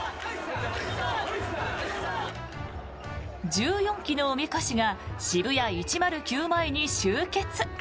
１４基のおみこしがＳＨＩＢＵＹＡ１０９前に集結。